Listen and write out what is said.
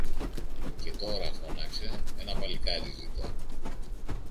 Και τώρα, φώναξε, ένα παλικάρι ζητώ